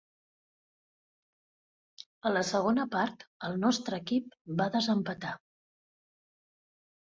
A la segona part, el nostre equip va desempatar.